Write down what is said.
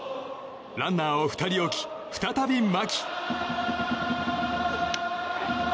ランナー２人置き、再び牧。